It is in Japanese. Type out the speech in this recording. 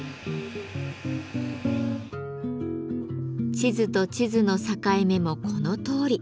地図と地図の境目もこのとおり。